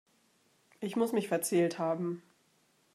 Ich muss mich verzählt haben.